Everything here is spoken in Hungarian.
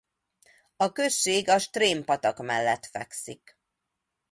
A község a Strém-patak mellett fekszik.